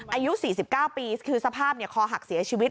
อายุ๔๙ปีคือสภาพคอหักเสียชีวิต